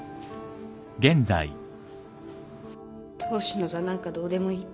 当主の座なんかどうでもいい。